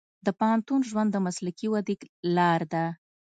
د پوهنتون ژوند د مسلکي ودې لار ده.